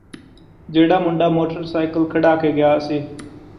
ਜਿਹੜਾਂ ਮੁੰਡਾ ਮੋਟਰਸਾਇਕਲ ਖੜਾ ਕੇ ਗਿਆ ਸੀ